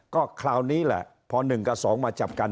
ก็คราวนี้แหละพอ๑กับ๒มาจับกัน